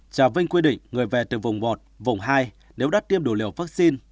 trà vinh quy định người về từ vùng một vùng hai nếu đắt tiêm đủ liều vaccine